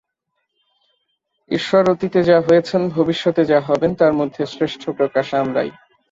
ঈশ্বর অতীতে যা হয়েছেন, ভবিষ্যতে যা হবেন, তার মধ্যে শ্রেষ্ঠ প্রকাশ আমরাই।